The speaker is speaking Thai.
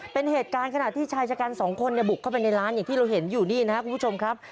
เป็นเหตุการณ์ขณะที่ชายชะกันสองคนเนี่ยบุกเข้าไปในร้านอย่างที่เราเห็นอยู่นี่นะครับคุณผู้ชมครับ